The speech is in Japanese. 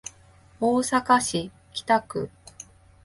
大阪市北区